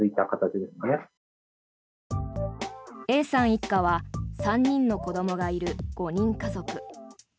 Ａさん一家は３人の子どもがいる５人家族。